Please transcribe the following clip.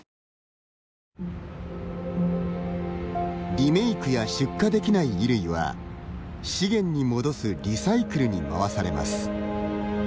リメイクや出荷できない衣類は資源に戻すリサイクルに回されます。